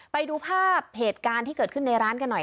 ไปดูภาพเหตุการณ์ที่เกิดขึ้นในร้านกันหน่อย